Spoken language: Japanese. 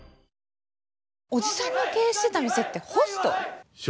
叔父さんの経営してた店ってホスト？